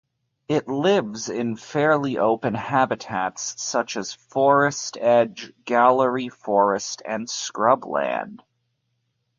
It lives in fairly open habitats such as forest edge, gallery forest and scrubland.